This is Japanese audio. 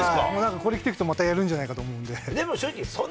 これ着ていくとまたやるんじゃないかと思って。